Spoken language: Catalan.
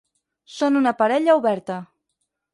Són una parella oberta.